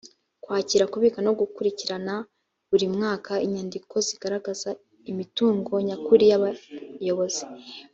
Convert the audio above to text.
kwakira kubika no gukurikirana buri mwaka inyandiko zigaragaza imitungo nyakuri y abayobozi